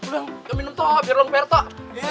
lo yang minum toh biar lo bayar toh